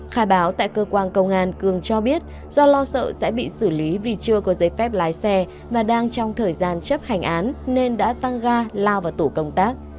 khai báo tại cơ quan công an cường cho biết do lo sợ sẽ bị xử lý vì chưa có giấy phép lái xe và đang trong thời gian chấp hành án nên đã tăng ga lao vào tổ công tác